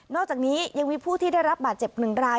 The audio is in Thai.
อกจากนี้ยังมีผู้ที่ได้รับบาดเจ็บ๑ราย